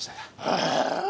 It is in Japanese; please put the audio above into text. ああ！